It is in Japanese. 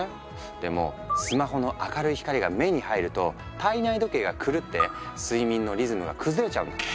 でもスマホの明るい光が目に入ると体内時計が狂って睡眠のリズムが崩れちゃうんだって。